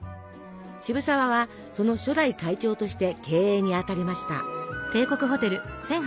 渋沢はその初代会長として経営にあたりました。